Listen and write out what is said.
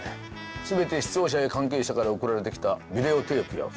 全て視聴者や関係者から送られてきたビデオテープやフィルムだ。